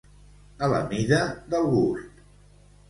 A la mida del gust.